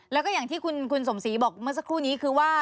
แล้วก็อย่างที่คุณสมศรีบอกเมื่อสักครู่นี้คือว่า